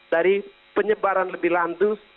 dari penyebaran lebih lanjut